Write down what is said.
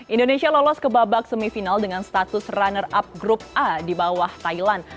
indonesia lolos ke babak semifinal dengan status runner up grup a di bawah thailand